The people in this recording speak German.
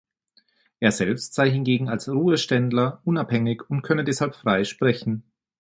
Er selbst sei hingegen als Ruheständler unabhängig und könne deshalb frei sprechen.